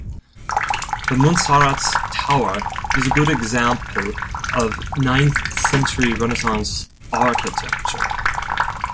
The Muntsaratz Tower is a good example of ninth century Renaissance architecture.